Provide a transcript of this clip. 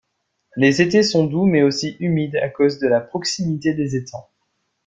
Les étés sont doux mais aussi humide à cause de la proximité des étangs.